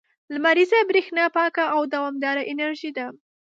• لمریزه برېښنا پاکه او دوامداره انرژي ده.